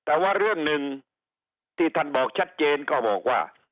แต่ว่าเรื่องหนึ่งที่ท่านบอกชัดเจนก็บอกว่า